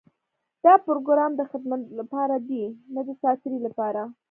دا پروګرام د خدمت لپاره دی، نۀ د ساعتېري لپاره.